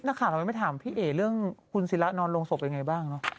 ทำไมไม่ถามพี่เอ๋เรื่องคุณซีระนรงสบเป็นอย่างไรบ้าง